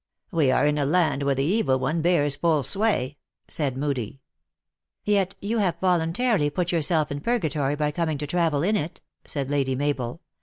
" We are in a land where the evil one bears full sway," said Hoodie. " Yet you have voluntarily put yourself in purga tory by coming to travel in it," said Lady Mabel.